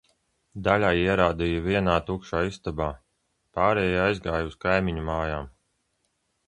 Daļai ierādīja vienā tukšā istabā, pārējie aizgāja uz kaimiņu mājam.